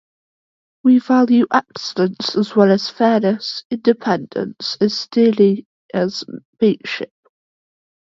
We value excellence as well as fairness, independence as dearly as mateship.